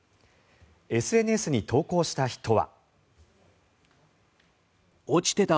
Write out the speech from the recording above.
ＳＮＳに投稿した人は。